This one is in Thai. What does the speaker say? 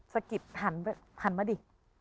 สะกิดหันมาดิ